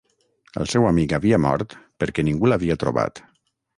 El seu amic havia mort perquè ningú l'havia trobat.